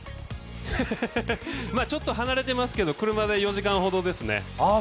ま、ちょっと離れてますけど車で４時間ほどですね。